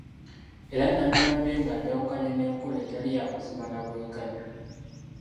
Era nandibadde nga njawukanye n’enkola etali y'amazima na bwenkanya.